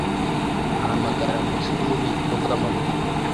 ahamagara munsi yububiko bwamabuye